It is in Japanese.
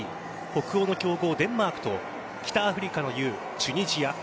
北欧の強豪・デンマークと北アフリカの雄・チュニジア。